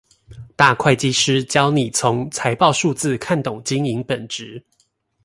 大會計師教你從財報數字看懂經營本質